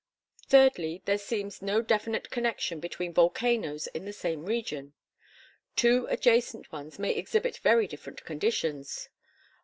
Thirdly, there seems no definite connection between volcanoes in the same region. Two adjacent ones may exhibit very different conditions.